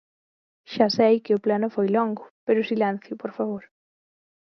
Xa sei que o Pleno foi longo, pero silencio, por favor.